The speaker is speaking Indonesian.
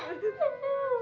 itunes ihan kenapa ibu